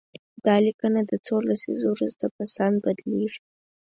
دا لیکنه د څو لسیزو وروسته په سند بدليږي.